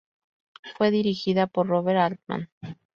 Fue dirigida por Robert Altman.